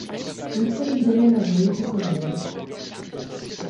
V průčelí dřevěná zvonice se zvony.